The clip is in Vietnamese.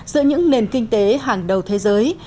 đối với những nền kinh tế hàng đầu thế giới